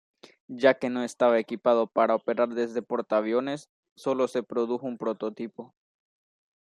Ya que no estaba equipado para operar desde portaaviones, solo se produjo un prototipo.